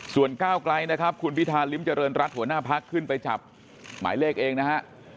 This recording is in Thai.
ส่วนก้าวไกลนะครับคุณพิธาริมเจริญรัฐหัวหน้าพักขึ้นไปจับหมายเลขเองนะฮะ